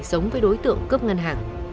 giống với đối tượng cướp ngân hàng